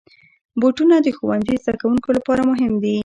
بوټونه د ښوونځي زدهکوونکو لپاره مهم دي.